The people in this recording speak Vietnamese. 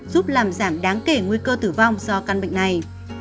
giúp làm giảm đáng kể nguy cơ tử vong do căn bệnh này